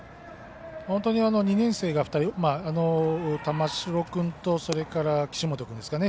本当に２年生、玉城君とそれから岸本君ですかね。